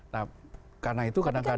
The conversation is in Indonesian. nah karena itu kadang kadang